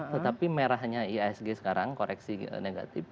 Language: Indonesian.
tetapi merahnya ihsg sekarang koreksi negatif